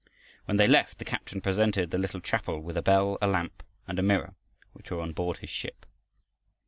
When they left, the captain presented the little chapel with a bell, a lamp, and a mirror which were on board his ship.